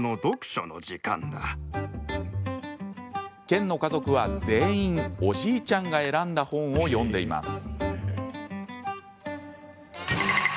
剣の家族は全員、おじいちゃんが選んだ本を読んでいます。